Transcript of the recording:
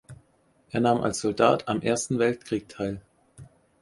Er nahm als Soldat am Ersten Weltkrieg teil.